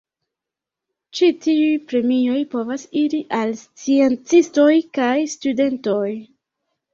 Ĉi tiuj premioj povas iri al sciencistoj kaj studentoj.